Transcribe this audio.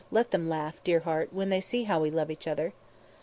Let them laugh, dear heart, when they see how we love each other."